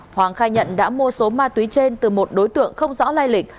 hoàng khai nhận đã mua số ma túy trên từ một đối tượng không rõ lai lịch